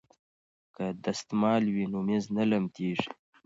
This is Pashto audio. که دستمال وي نو میز نه لمدیږي.